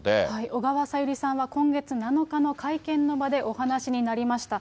小川さゆりさんは今月７日の会見の場で、お話になりました。